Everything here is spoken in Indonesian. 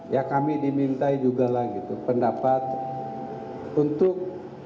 ya kami dimintai juga lah gitu pendapat untuk